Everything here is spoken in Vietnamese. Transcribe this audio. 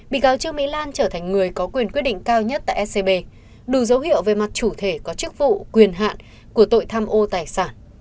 bị cáo trương mỹ lan trở thành người có quyền quyết định cao nhất tại scb đủ dấu hiệu về mặt chủ thể có chức vụ quyền hạn của tội tham ô tài sản